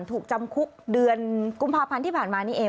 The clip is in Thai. ถูกจำคุกเดือนกุมภาพันธ์ที่ผ่านมานี่เอง